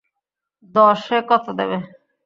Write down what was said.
দশে কত দেবে?